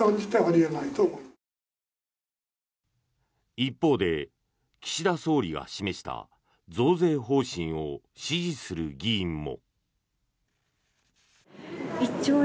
一方で岸田総理が示した増税方針を支持する議員も。